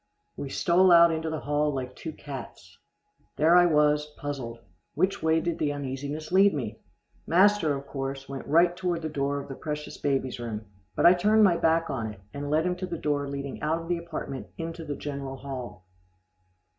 We stole out into the hall like two cats. There I was puzzled. Which way did the uneasiness lead me? Master, of course, went right toward the door of the precious baby's room, but I turned my back on it, and led him to the door leading out of the apartment into the general hall.